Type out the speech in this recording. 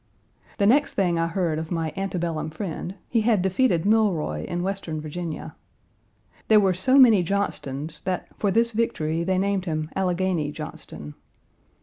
The next thing I heard of my antebellum friend he had defeated Milroy in Western Virginia. There were so many Johnstons that for this victory they named him Alleghany Johnston.